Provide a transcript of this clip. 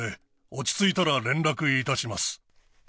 落ち着いたら連絡いたします。